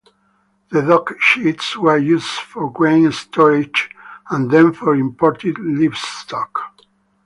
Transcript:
The dock sheds were used for grain storage and then for imported livestock.